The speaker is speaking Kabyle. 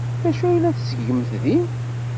D acu ay la tettgemt din?